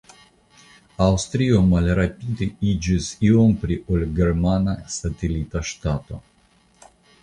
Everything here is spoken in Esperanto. Aŭstrio malrapide iĝis iom pli ol germana satelita ŝtato.